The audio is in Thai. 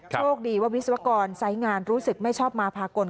โชคดีว่าวิศวกรไซส์งานรู้สึกไม่ชอบมาพากล